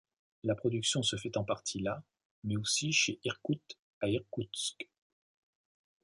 La production se fait en partie là mais aussi chez Irkout à Irkoutsk.